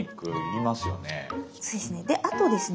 そうですね。